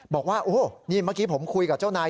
บอกว่าโอ้นี่เมื่อกี้ผมคุยกับเจ้านาย